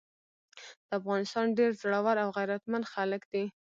د افغانستان ډير زړور او غيرتمن خلګ دي۔